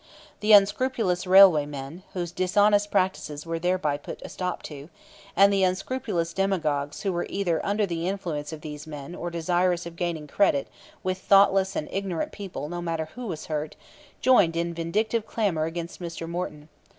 The unscrupulous railway men, whose dishonest practices were thereby put a stop to, and the unscrupulous demagogues who were either under the influence of these men or desirous of gaining credit with thoughtless and ignorant people no matter who was hurt, joined in vindictive clamor against Mr. Morton.